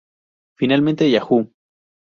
Finalmente, Yahoo!